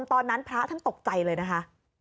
ตอนนั้นพระท่านตกใจเลยนะคะ